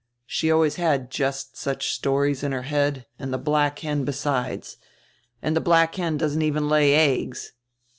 She always had just such stories in her head and the black hen besides. And the black hen doesn't even lay eggs.